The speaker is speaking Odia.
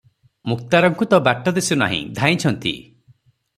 ମୁକ୍ତାରଙ୍କୁ ତ ବାଟ ଦିଶୁ ନାହିଁ, ଧାଇଁଛନ୍ତି ।